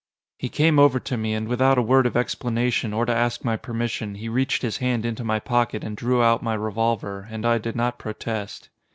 He came over to me, and without a word of explanation or to ask my permission he reached his hand into my pocket and drew out my revolver, and I did not protest.